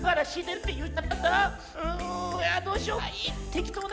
どうしようかな。